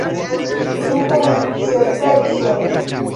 Ĉu memcerteco?